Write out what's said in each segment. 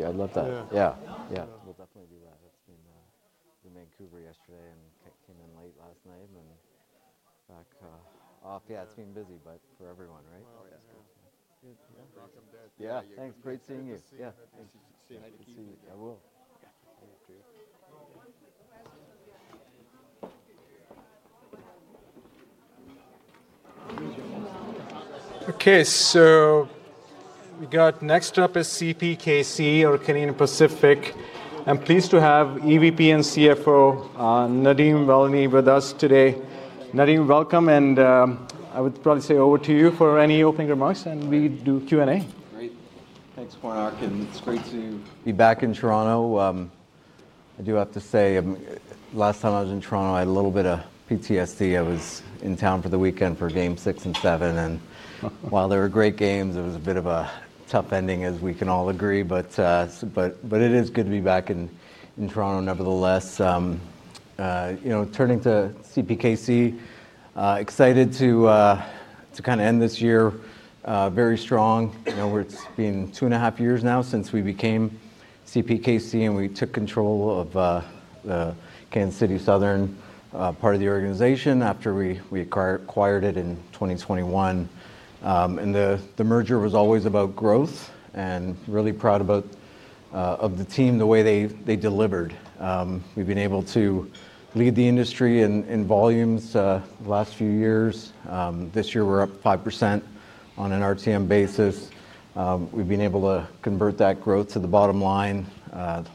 I'd love that. Yeah. Yeah. Yeah. We'll definitely do that. I've been in Vancouver yesterday and came in late last night and back off. Yeah, it's been busy, but for everyone, right? Oh, yeah. That's good. Yeah. Yeah. Welcome back. Yeah. Thanks. Great seeing you. Yeah. Nice to see you. See you. I will. Yeah. Okay. So we got next up is CPKC, or Canadian Pacific. I'm pleased to have EVP and CFO Nadeem Velani with us today. Nadeem, welcome. And I would probably say over to you for any opening remarks, and we do Q&A. Great. Thanks for that. It's great to be back in Toronto. I do have to say, last time I was in Toronto, I had a little bit of PTSD. I was in town for the weekend for game six and seven. While there were great games, it was a bit of a tough ending, as we can all agree. It is good to be back in Toronto nevertheless. Turning to CPKC, excited to kind of end this year very strong. It's been two and a half years now since we became CPKC, and we took control of the Kansas City Southern part of the organization after we acquired it in 2021. The merger was always about growth, and really proud of the team, the way they delivered. We've been able to lead the industry in volumes the last few years. This year, we're up 5% on an RTM basis. We've been able to convert that growth to the bottom line.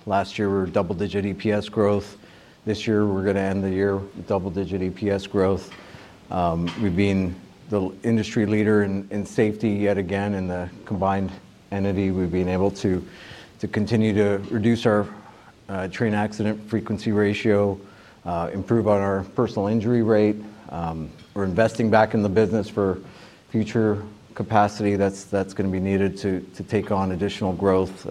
Last year, we were double-digit EPS growth. This year, we're going to end the year with double-digit EPS growth. We've been the industry leader in safety yet again in the combined entity. We've been able to continue to reduce our train accident frequency ratio, improve on our personal injury rate. We're investing back in the business for future capacity that's going to be needed to take on additional growth,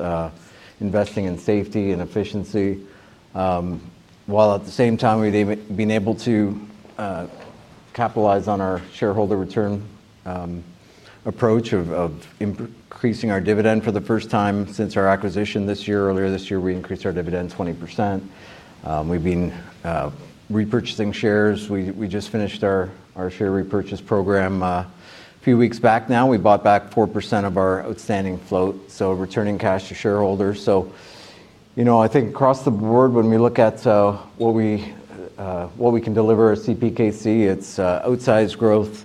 investing in safety and efficiency. While at the same time, we've been able to capitalize on our shareholder return approach of increasing our dividend for the first time since our acquisition this year. Earlier this year, we increased our dividend 20%. We've been repurchasing shares. We just finished our share repurchase program a few weeks back now. We bought back 4% of our outstanding float, so returning cash to shareholders. I think across the board, when we look at what we can deliver at CPKC, it's outsized growth,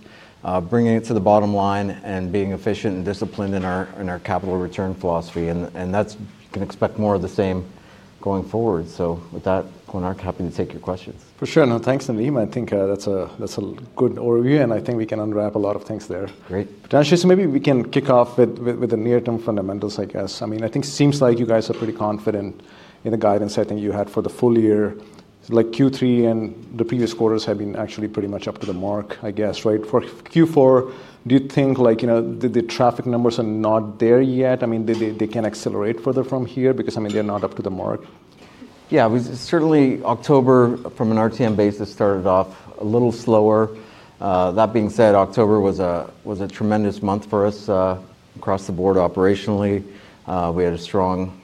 bringing it to the bottom line, and being efficient and disciplined in our capital return philosophy. You can expect more of the same going forward. With that, I'm happy to take your questions. For sure. No, thanks, Nadeem. I think that's a good overview, and I think we can unwrap a lot of things there. Great. Potentially. Maybe we can kick off with the near-term fundamentals, I guess. I mean, I think it seems like you guys are pretty confident in the guidance I think you had for the full year. Q3 and the previous quarters have been actually pretty much up to the mark, I guess, right? For Q4, do you think the traffic numbers are not there yet? I mean, they can accelerate further from here because they're not up to the mark. Yeah. Certainly, October, from an RTM basis, started off a little slower. That being said, October was a tremendous month for us across the board operationally. We had a strong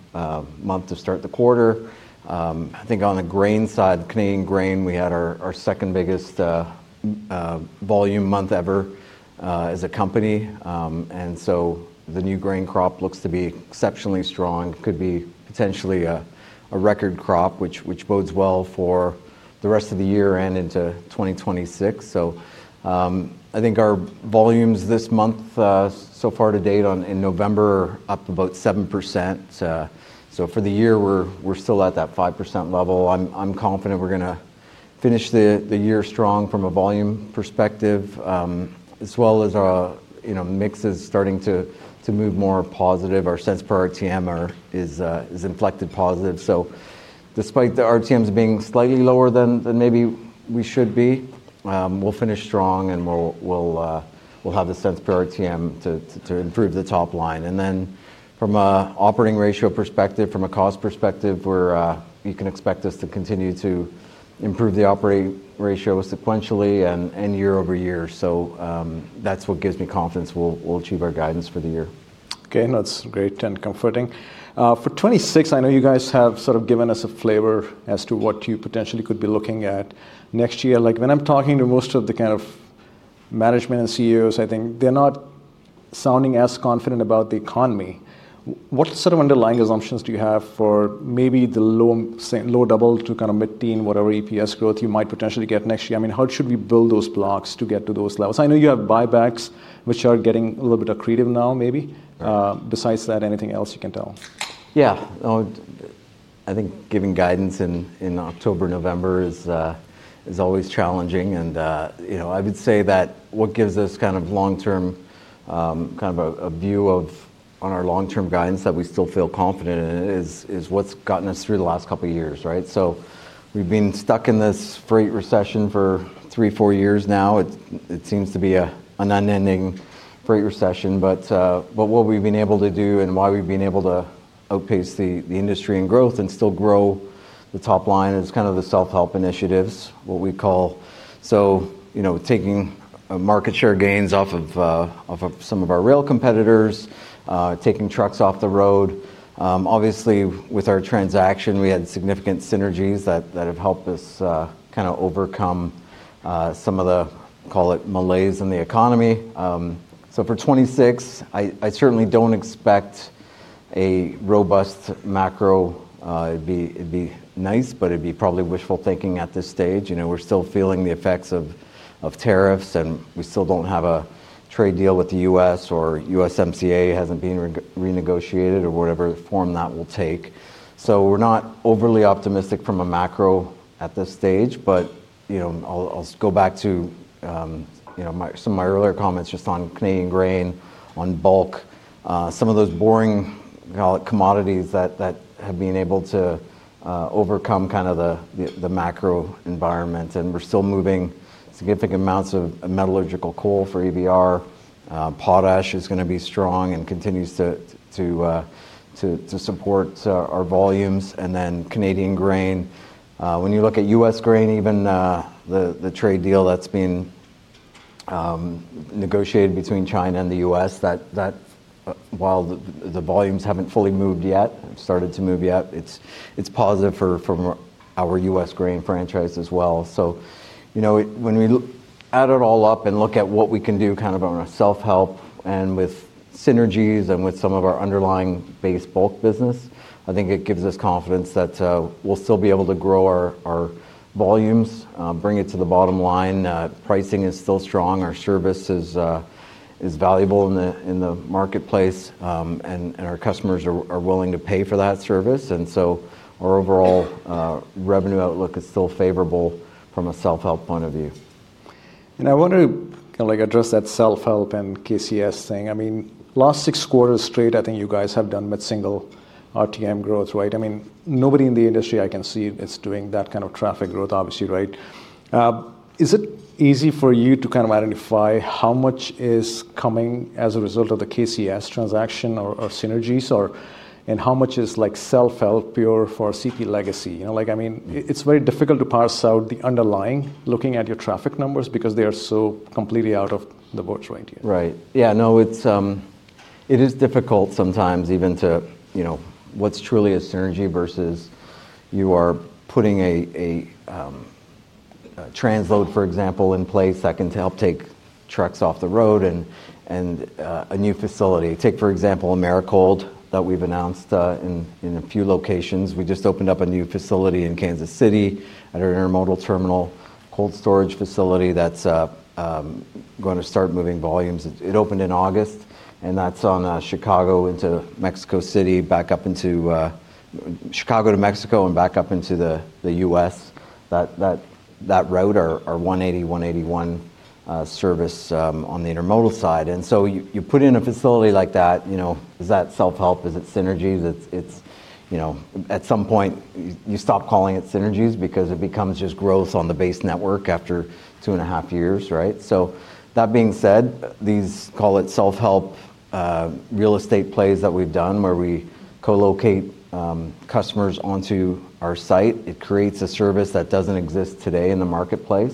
month to start the quarter. I think on the grain side, Canadian grain, we had our second biggest volume month ever as a company. The new grain crop looks to be exceptionally strong. It could be potentially a record crop, which bodes well for the rest of the year and into 2026. I think our volumes this month, so far to date, in November, up about 7%. For the year, we're still at that 5% level. I'm confident we're going to finish the year strong from a volume perspective, as well as our mix is starting to move more positive. Our cents per RTM is inflected positive. Despite the RTMs being slightly lower than maybe we should be, we'll finish strong, and we'll have the cents per RTM to improve the top line. From an operating ratio perspective, from a cost perspective, you can expect us to continue to improve the operating ratio sequentially and year over year. That's what gives me confidence we'll achieve our guidance for the year. Okay. That's great and comforting. For 2026, I know you guys have sort of given us a flavor as to what you potentially could be looking at next year. When I'm talking to most of the kind of management and CEOs, I think they're not sounding as confident about the economy. What sort of underlying assumptions do you have for maybe the low double to kind of mid-teen, whatever EPS growth you might potentially get next year? I mean, how should we build those blocks to get to those levels? I know you have buybacks, which are getting a little bit accretive now, maybe. Besides that, anything else you can tell? Yeah. I think giving guidance in October and November is always challenging. I would say that what gives us kind of long-term kind of a view on our long-term guidance that we still feel confident in is what's gotten us through the last couple of years, right? We've been stuck in this freight recession for three, four years now. It seems to be an unending freight recession. What we've been able to do and why we've been able to outpace the industry in growth and still grow the top line is kind of the self-help initiatives, what we call. Taking market share gains off of some of our rail competitors, taking trucks off the road. Obviously, with our transaction, we had significant synergies that have helped us kind of overcome some of the, call it, malaise in the economy. For 2026, I certainly do not expect a robust macro. It would be nice, but it would be probably wishful thinking at this stage. We are still feeling the effects of tariffs, and we still do not have a trade deal with the U.S., or USMCA has not been renegotiated, or whatever form that will take. We are not overly optimistic from a macro at this stage. I will go back to some of my earlier comments just on Canadian grain, on bulk, some of those boring commodities that have been able to overcome kind of the macro environment. We are still moving significant amounts of metallurgical coal for EVR. Potash is going to be strong and continues to support our volumes. Canadian grain, when you look at U.S. grain, even the trade deal that's been negotiated between China and the U.S., while the volumes haven't fully moved yet, have started to move yet, it's positive for our U.S. grain franchise as well. When we add it all up and look at what we can do kind of on our self-help and with synergies and with some of our underlying base bulk business, I think it gives us confidence that we'll still be able to grow our volumes, bring it to the bottom line. Pricing is still strong. Our service is valuable in the marketplace, and our customers are willing to pay for that service. Our overall revenue outlook is still favorable from a self-help point of view. I want to kind of address that self-help and KCS thing. I mean, last six quarters straight, I think you guys have done with single RTM growth, right? I mean, nobody in the industry I can see is doing that kind of traffic growth, obviously, right? Is it easy for you to kind of identify how much is coming as a result of the KCS transaction or synergies, and how much is self-help pure for CP legacy? I mean, it's very difficult to parse out the underlying looking at your traffic numbers because they are so completely out of the books right here. Right. Yeah. No, it is difficult sometimes even to what's truly a synergy versus you are putting a transload, for example, in place that can help take trucks off the road and a new facility. Take, for example, that we have announced in a few locations. We just opened up a new facility in Kansas City at our intermodal terminal, cold storage facility that is going to start moving volumes. It opened in August, and that is on Chicago into Mexico City, back up into Chicago to Mexico and back up into the U.S. That route, our 180, 181 service on the intermodal side. You put in a facility like that, is that self-help? Is it synergies? At some point, you stop calling it synergies because it becomes just growth on the base network after two and a half years, right? That being said, these, call it, self-help real estate plays that we've done where we co-locate customers onto our site, it creates a service that doesn't exist today in the marketplace.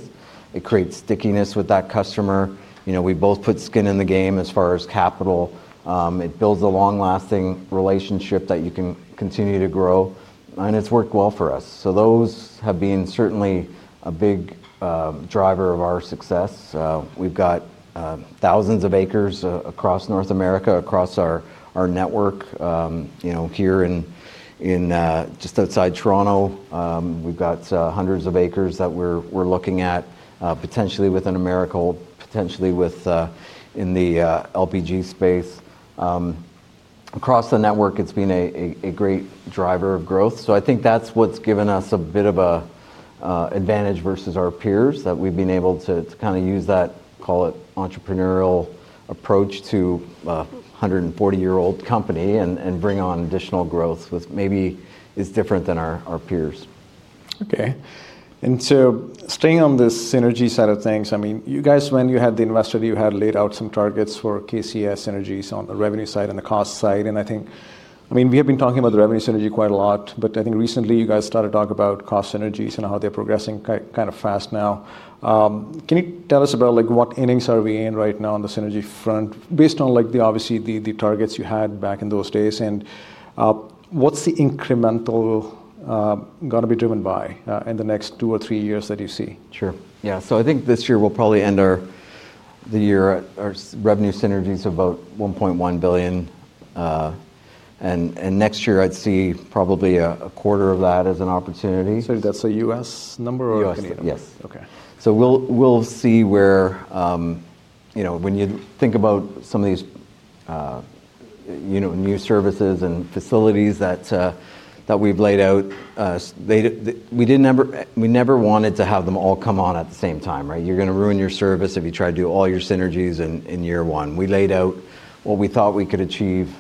It creates stickiness with that customer. We both put skin in the game as far as capital. It builds a long-lasting relationship that you can continue to grow. It's worked well for us. Those have been certainly a big driver of our success. We've got thousands of acres across North America, across our network. Here, just outside Toronto, we've got hundreds of acres that we're looking at, potentially within Americold, potentially in the LPG space. Across the network, it's been a great driver of growth. I think that's what's given us a bit of an advantage versus our peers that we've been able to kind of use that, call it entrepreneurial approach to a 140-year-old company and bring on additional growth which maybe is different than our peers. Okay. Staying on the synergy side of things, I mean, you guys, when you had the investor, you had laid out some targets for KCS synergies on the revenue side and the cost side. I mean, we have been talking about the revenue synergy quite a lot, but I think recently you guys started talking about cost synergies and how they're progressing kind of fast now. Can you tell us about what innings are we in right now on the synergy front based on obviously the targets you had back in those days? What's the incremental going to be driven by in the next two or three years that you see? Sure. Yeah. So I think this year we'll probably end the year revenue synergies about $1.1 billion. And next year, I'd see probably a quarter of that as an opportunity. That's a U.S. number or a Canadian number? U.S. Yes. Okay. We'll see where when you think about some of these new services and facilities that we've laid out, we never wanted to have them all come on at the same time, right? You're going to ruin your service if you try to do all your synergies in year one. We laid out what we thought we could achieve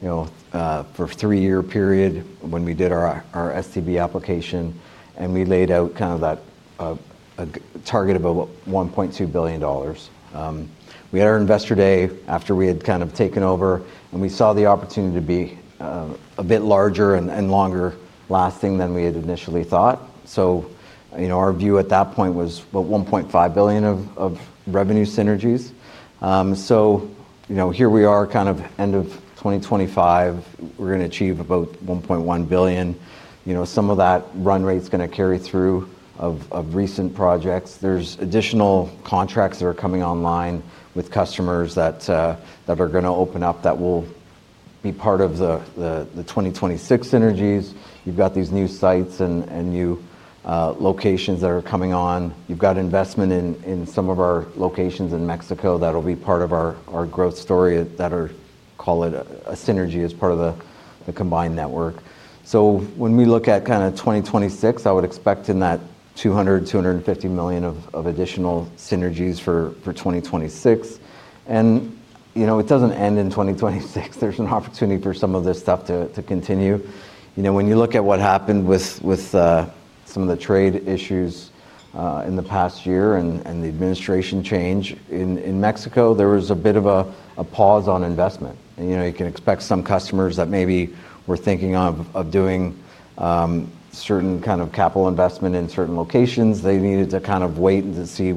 for a three-year period when we did our STB application. We laid out kind of that target of $1.2 billion. We had our investor day after we had kind of taken over, and we saw the opportunity to be a bit larger and longer lasting than we had initially thought. Our view at that point was about $1.5 billion of revenue synergies. Here we are kind of end of 2025. We're going to achieve about $1.1 billion. Some of that run rate is going to carry through of recent projects. There are additional contracts that are coming online with customers that are going to open up that will be part of the 2026 synergies. You have these new sites and new locations that are coming on. You have investment in some of our locations in Mexico that will be part of our growth story that are called a synergy as part of the combined network. When we look at 2026, I would expect in that $200 million-$250 million of additional synergies for 2026. It does not end in 2026. There is an opportunity for some of this stuff to continue. When you look at what happened with some of the trade issues in the past year and the administration change in Mexico, there was a bit of a pause on investment. You can expect some customers that maybe were thinking of doing certain kind of capital investment in certain locations, they needed to kind of wait and see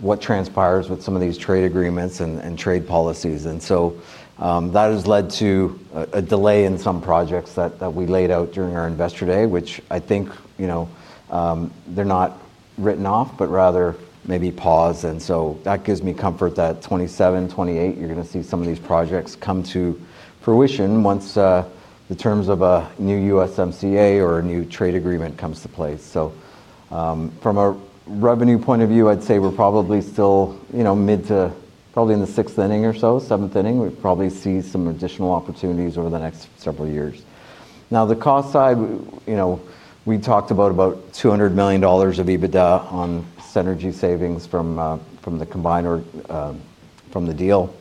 what transpires with some of these trade agreements and trade policies. That has led to a delay in some projects that we laid out during our investor day, which I think they're not written off, but rather maybe paused. That gives me comfort that 2027, 2028, you're going to see some of these projects come to fruition once the terms of a new USMCA or a new trade agreement comes to place. From a revenue point of view, I'd say we're probably still mid to probably in the sixth inning or so, seventh inning. We probably see some additional opportunities over the next several years. Now, the cost side, we talked about $200 million of EBITDA on synergy savings from the combined or from the deal.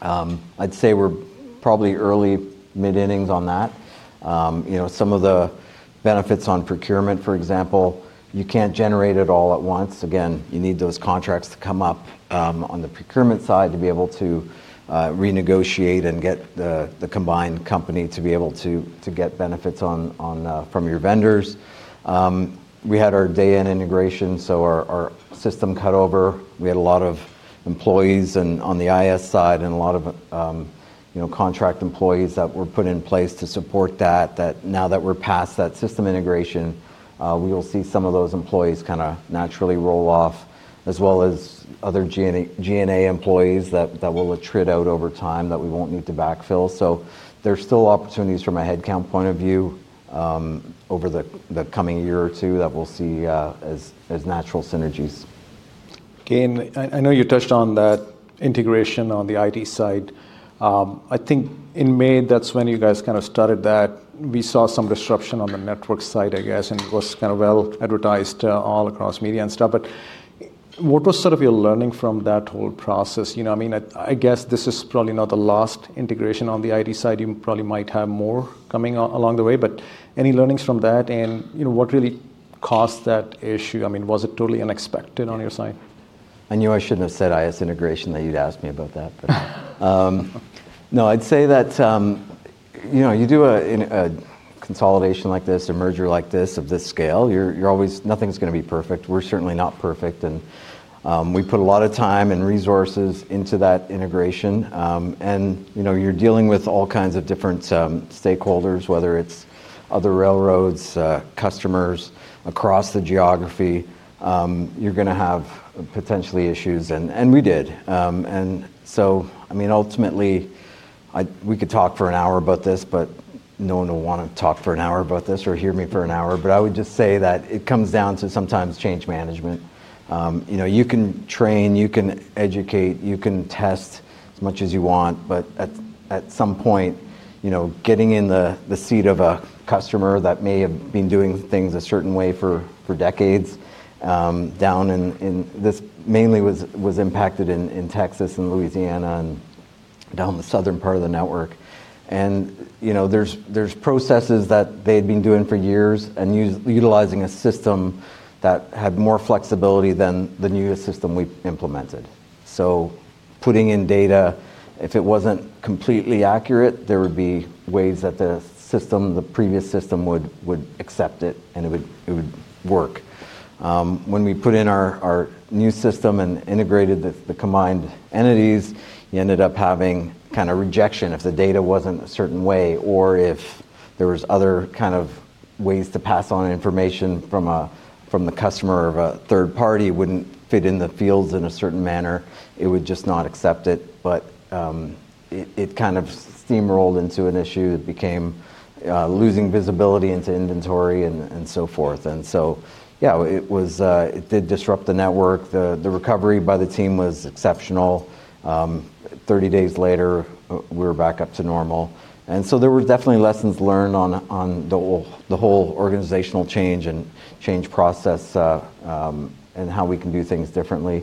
I'd say we're probably early mid-innings on that. Some of the benefits on procurement, for example, you can't generate it all at once. Again, you need those contracts to come up on the procurement side to be able to renegotiate and get the combined company to be able to get benefits from your vendors. We had our day in integration, so our system cut over. We had a lot of employees on the IS side and a lot of contract employees that were put in place to support that. Now that we're past that system integration, we will see some of those employees kind of naturally roll off, as well as other GNA employees that will trade out over time that we won't need to backfill. There's still opportunities from a headcount point of view over the coming year or two that we'll see as natural synergies. Okay. I know you touched on that integration on the IT side. I think in May, that's when you guys kind of started that. We saw some disruption on the network side, I guess, and it was kind of well advertised all across media and stuff. What was sort of your learning from that whole process? I mean, I guess this is probably not the last integration on the IT side. You probably might have more coming along the way. Any learnings from that and what really caused that issue? I mean, was it totally unexpected on your side? I knew I shouldn't have said IT integration that you'd asked me about that, but no, I'd say that you do a consolidation like this, a merger like this of this scale, nothing's going to be perfect. We're certainly not perfect. And we put a lot of time and resources into that integration. You're dealing with all kinds of different stakeholders, whether it's other railroads, customers across the geography, you're going to have potentially issues. We did. I mean, ultimately, we could talk for an hour about this, but no one will want to talk for an hour about this or hear me for an hour. I would just say that it comes down to sometimes change management. You can train, you can educate, you can test as much as you want. At some point, getting in the seat of a customer that may have been doing things a certain way for decades down in this mainly was impacted in Texas and Louisiana and down the southern part of the network. There are processes that they had been doing for years and utilizing a system that had more flexibility than the newest system we implemented. Putting in data, if it was not completely accurate, there would be ways that the previous system would accept it and it would work. When we put in our new system and integrated the combined entities, you ended up having kind of rejection if the data was not a certain way or if there were other ways to pass on information from the customer or a third party would not fit in the fields in a certain manner, it would just not accept it. But it kind of steamrolled into an issue. It became losing visibility into inventory and so forth. Yeah, it did disrupt the network. The recovery by the team was exceptional. Thirty days later, we were back up to normal. There were definitely lessons learned on the whole organizational change and change process and how we can do things differently.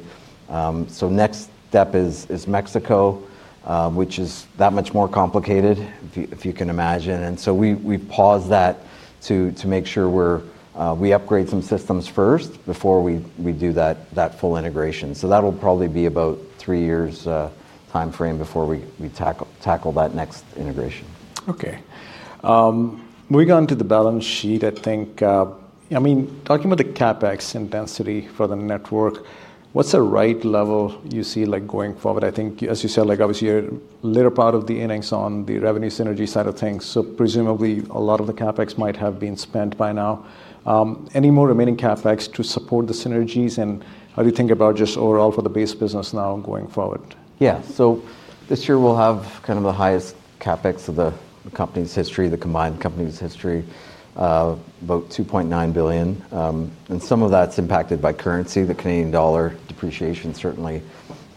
Next step is Mexico, which is that much more complicated, if you can imagine. We paused that to make sure we upgrade some systems first before we do that full integration. That will probably be about three years' timeframe before we tackle that next integration. Okay. Moving on to the balance sheet, I think, I mean, talking about the CapEx intensity for the network, what's the right level you see going forward? I think, as you said, obviously, you're a little part of the innings on the revenue synergy side of things. Presumably, a lot of the CapEx might have been spent by now. Any more remaining CapEx to support the synergies? How do you think about just overall for the base business now going forward? Yeah. This year, we'll have kind of the highest CapEx of the company's history, the combined company's history, about 2.9 billion. Some of that's impacted by currency. The Canadian dollar depreciation certainly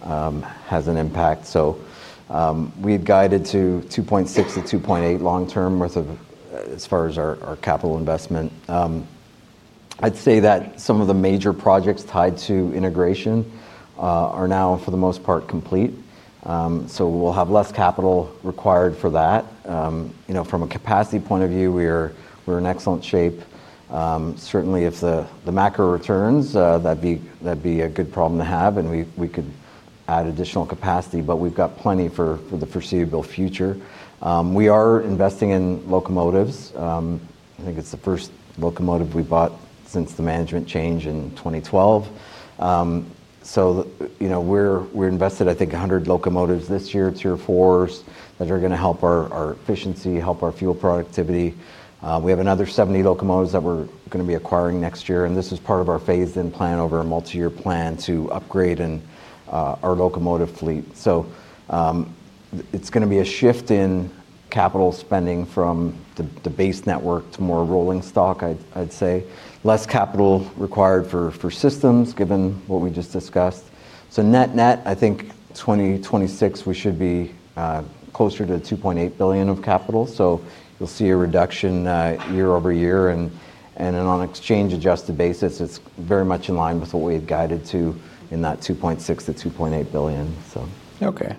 has an impact. We had guided to 2.6 billion-2.8 billion long term as far as our capital investment. I'd say that some of the major projects tied to integration are now, for the most part, complete. We'll have less capital required for that. From a capacity point of view, we're in excellent shape. Certainly, if the macro returns, that'd be a good problem to have, and we could add additional capacity, but we've got plenty for the foreseeable future. We are investing in locomotives. I think it's the first locomotive we bought since the management change in 2012. We're invested, I think, 100 locomotives this year, Tier 4 that are going to help our efficiency, help our fuel productivity. We have another 70 locomotives that we're going to be acquiring next year. This is part of our phased-in plan over a multi-year plan to upgrade our locomotive fleet. It's going to be a shift in capital spending from the base network to more rolling stock, I'd say. Less capital required for systems given what we just discussed. Net-net, I think 2026, we should be closer to 2.8 billion of capital. You'll see a reduction year over year. On an exchange-adjusted basis, it's very much in line with what we had guided to in that 2.6 billion-2.8 billion. Okay.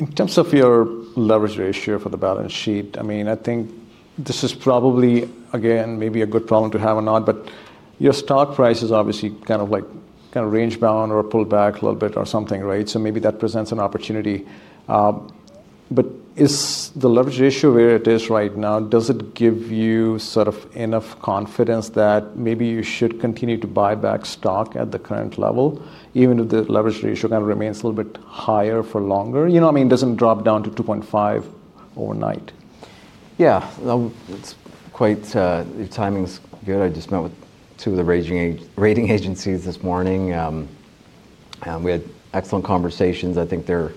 In terms of your leverage ratio for the balance sheet, I mean, I think this is probably, again, maybe a good problem to have or not, but your stock price is obviously kind of range-bound or pulled back a little bit or something, right? Maybe that presents an opportunity. Is the leverage ratio where it is right now, does it give you sort of enough confidence that maybe you should continue to buy back stock at the current level, even if the leverage ratio kind of remains a little bit higher for longer? You know what I mean? It does not drop down to 2.5 overnight. Yeah. Timing's good. I just met with two of the rating agencies this morning. We had excellent conversations. I think they're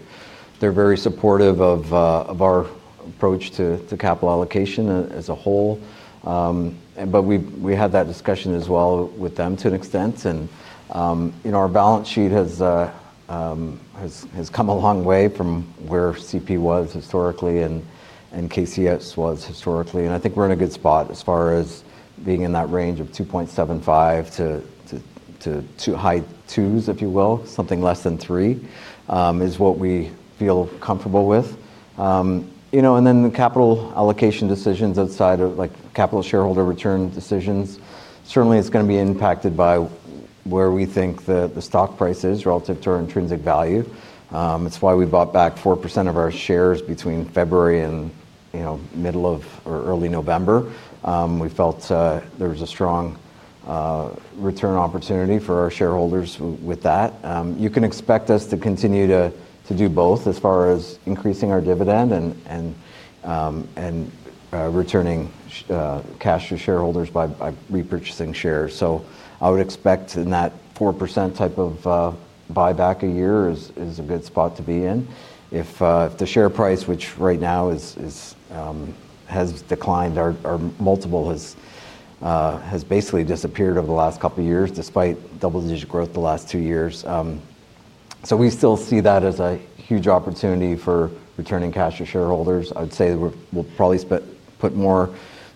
very supportive of our approach to capital allocation as a whole. We had that discussion as well with them to an extent. Our balance sheet has come a long way from where CP was historically and KCS was historically. I think we're in a good spot as far as being in that range of 2.75-high twos, if you will, something less than 3 is what we feel comfortable with. The capital allocation decisions outside of capital shareholder return decisions, certainly it's going to be impacted by where we think the stock price is relative to our intrinsic value. It's why we bought back 4% of our shares between February and middle of or early November. We felt there was a strong return opportunity for our shareholders with that. You can expect us to continue to do both as far as increasing our dividend and returning cash to shareholders by repurchasing shares. I would expect in that 4% type of buyback a year is a good spot to be in. If the share price, which right now has declined, our multiple has basically disappeared over the last couple of years despite double-digit growth the last two years. We still see that as a huge opportunity for returning cash to shareholders. I would say we'll probably put more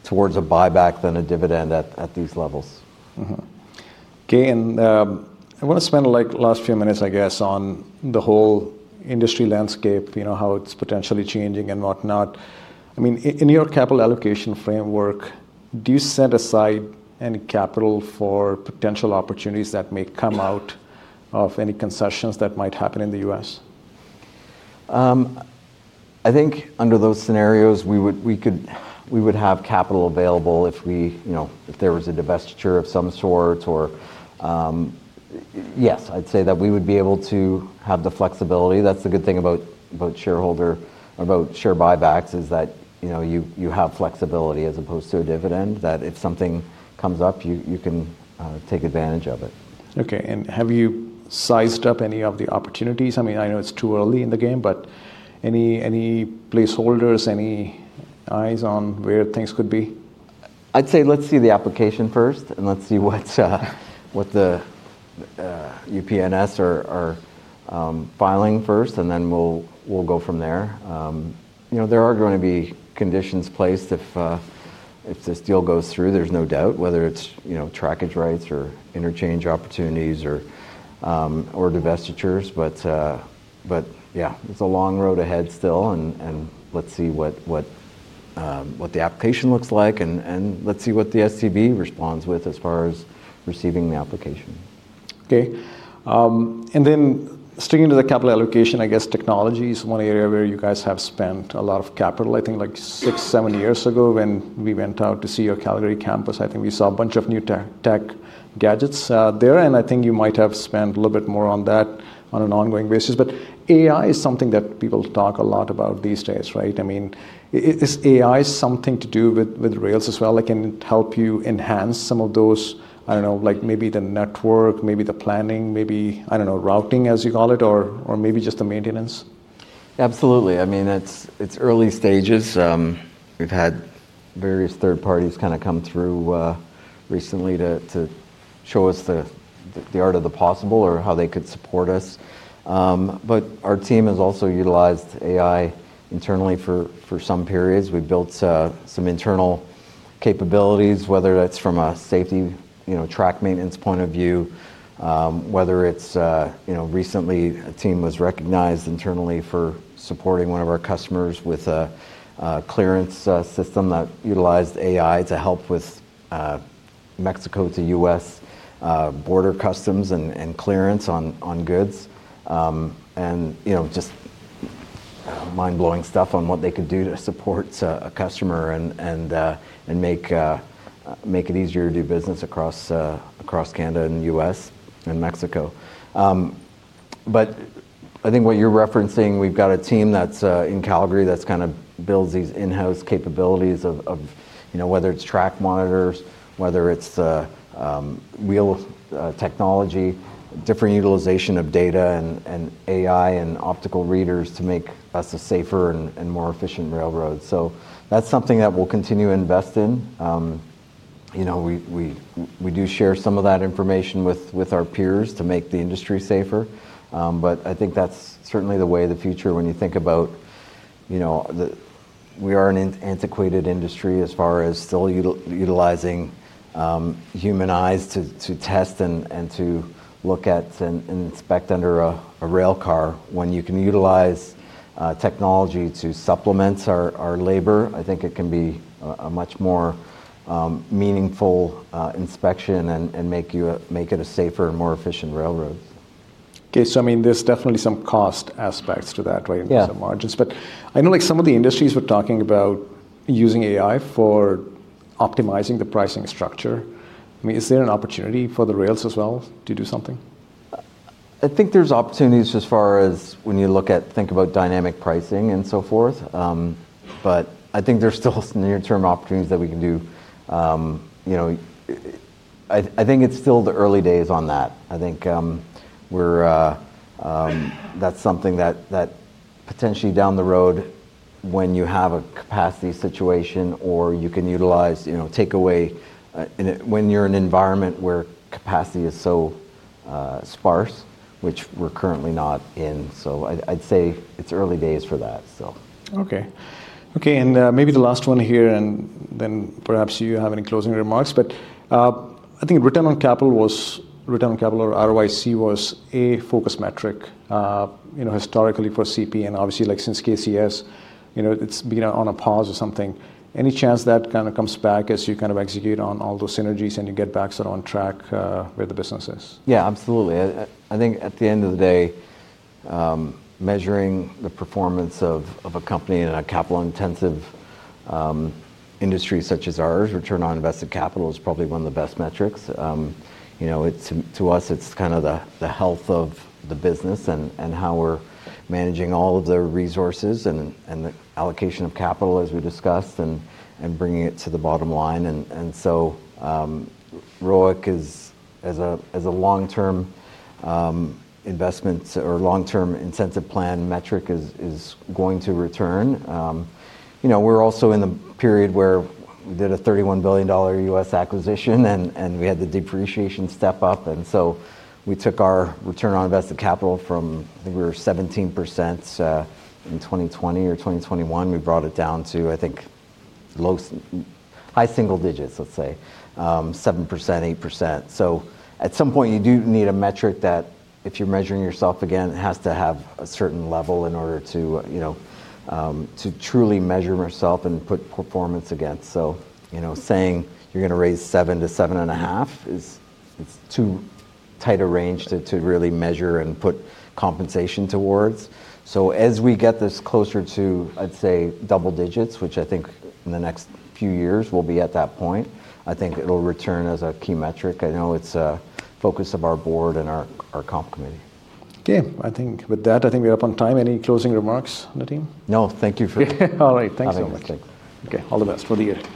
towards a buyback than a dividend at these levels. Okay. I want to spend the last few minutes, I guess, on the whole industry landscape, how it's potentially changing and whatnot. I mean, in your capital allocation framework, do you set aside any capital for potential opportunities that may come out of any concessions that might happen in the U.S.? I think under those scenarios, we would have capital available if there was a divestiture of some sort. Yes, I'd say that we would be able to have the flexibility. That's the good thing about shareholder or about share buybacks is that you have flexibility as opposed to a dividend, that if something comes up, you can take advantage of it. Okay. Have you sized up any of the opportunities? I mean, I know it's too early in the game, but any placeholders, any eyes on where things could be? I'd say let's see the application first and let's see what the UPNS are filing first, and then we'll go from there. There are going to be conditions placed if this deal goes through, there's no doubt, whether it's trackage rights or interchange opportunities or divestitures. Yeah, it's a long road ahead still, and let's see what the application looks like, and let's see what the STB responds with as far as receiving the application. Okay. And then sticking to the capital allocation, I guess technology is one area where you guys have spent a lot of capital. I think like six, seven years ago when we went out to see your Calgary campus, I think we saw a bunch of new tech gadgets there. And I think you might have spent a little bit more on that on an ongoing basis. But AI is something that people talk a lot about these days, right? I mean, is AI something to do with rails as well? Can it help you enhance some of those, I don't know, like maybe the network, maybe the planning, maybe, I don't know, routing, as you call it, or maybe just the maintenance? Absolutely. I mean, it's early stages. We've had various third parties kind of come through recently to show us the art of the possible or how they could support us. Our team has also utilized AI internally for some periods. We've built some internal capabilities, whether that's from a safety track maintenance point of view, whether it's recently a team was recognized internally for supporting one of our customers with a clearance system that utilized AI to help with Mexico to U.S. border customs and clearance on goods. Just mind-blowing stuff on what they could do to support a customer and make it easier to do business across Canada and the U.S. and Mexico. I think what you're referencing, we've got a team that's in Calgary that's kind of built these in-house capabilities of whether it's track monitors, whether it's wheel technology, different utilization of data and AI and optical readers to make us a safer and more efficient railroad. That's something that we'll continue to invest in. We do share some of that information with our peers to make the industry safer. I think that's certainly the way the future when you think about we are an antiquated industry as far as still utilizing human eyes to test and to look at and inspect under a rail car. When you can utilize technology to supplement our labor, I think it can be a much more meaningful inspection and make it a safer, more efficient railroad. Okay. So I mean, there's definitely some cost aspects to that, right? Yes. In terms of margins. I know some of the industries were talking about using AI for optimizing the pricing structure. I mean, is there an opportunity for the rails as well to do something? I think there's opportunities as far as when you look at, think about dynamic pricing and so forth. I think there's still near-term opportunities that we can do. I think it's still the early days on that. I think that's something that potentially down the road when you have a capacity situation or you can utilize takeaway when you're in an environment where capacity is so sparse, which we're currently not in. I'd say it's early days for that. Okay. Okay. Maybe the last one here and then perhaps you have any closing remarks. I think return on capital or ROIC was a focus metric historically for CP and obviously since KCS, it's been on a pause or something. Any chance that kind of comes back as you kind of execute on all those synergies and you get back sort of on track with the businesses? Yeah, absolutely. I think at the end of the day, measuring the performance of a company in a capital-intensive industry such as ours, return on invested capital is probably one of the best metrics. To us, it's kind of the health of the business and how we're managing all of the resources and the allocation of capital as we discussed and bringing it to the bottom line. Return on invested capital as a long-term investment or long-term incentive plan metric is going to return. We're also in the period where we did a $31 billion U.S. acquisition and we had the depreciation step up. We took our return on invested capital from, I think, we were 17% in 2020 or 2021. We brought it down to, I think, high single digits, let's say 7%-8%. At some point, you do need a metric that if you're measuring yourself again, it has to have a certain level in order to truly measure yourself and put performance against. Saying you're going to raise 7%-7.5% is too tight a range to really measure and put compensation towards. As we get this closer to, I'd say, double digits, which I think in the next few years we'll be at that point, I think it'll return as a key metric. I know it's a focus of our board and our comp committee. Okay. I think with that, I think we're up on time. Any closing remarks on the team? No, thank you for. All right. Thank you so much. Thanks. Okay. All the best for the year.